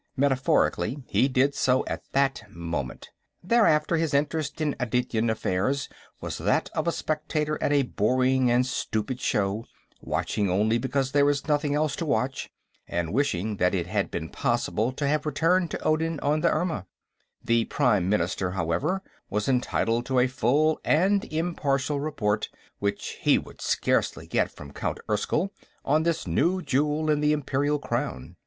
Metaphorically, he did so at that moment; thereafter his interest in Adityan affairs was that of a spectator at a boring and stupid show, watching only because there is nothing else to watch, and wishing that it had been possible to have returned to Odin on the Irma. The Prime Minister, however, was entitled to a full and impartial report, which he would scarcely get from Count Erskyll, on this new jewel in the Imperial Crown.